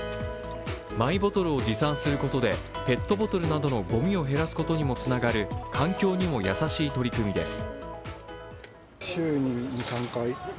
マイボトルを持参することでペットボトルなどのごみを減らすことにもつながる環境にも優しい取り組みです。